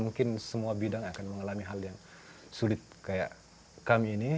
mungkin semua bidang akan mengalami hal yang sulit kayak kami ini